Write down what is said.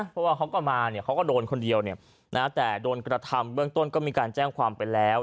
เพราะว่าเขาก็มาเนี่ยเขาก็โดนคนเดียวแต่โดนกระทำเบื้องต้นก็มีการแจ้งความไปแล้ว